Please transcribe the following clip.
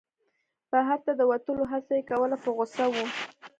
بهر ته د وتلو هڅه یې کوله په غوسه و.